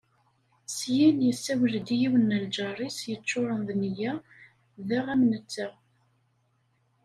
Syin, yessawel-d i yiwen n lǧar-is yeččuren d nneyya daɣ am netta.